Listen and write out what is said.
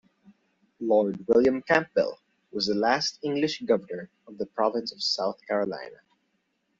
Lord William Campbell was the last English Governor of the Province of South Carolina.